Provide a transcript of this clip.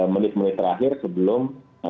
menit menit terakhir sebelum